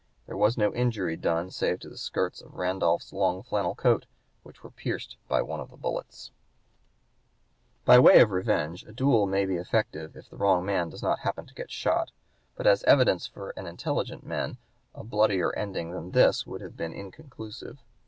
There was no injury done save to the skirts of Randolph's long flannel coat which were pierced by one of the bullets. [Footnote 6: April 8, 1826.] By way of revenge a duel may be effective if the wrong man does (p. 184) not happen to get shot; but as evidence for intelligent men a bloodier ending than this would have been inconclusive.